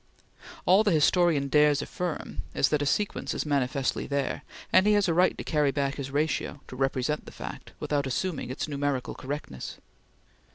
All the historian dares affirm is that a sequence is manifestly there, and he has a right to carry back his ratio, to represent the fact, without assuming its numerical correctness.